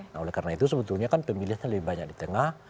nah oleh karena itu sebetulnya kan pemilihannya lebih banyak di tengah